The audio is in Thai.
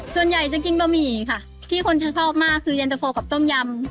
ส่วนใหญ่จะกินบะหมี่ค่ะที่คนชอบมากคือเย็นตะโฟกับต้มยำ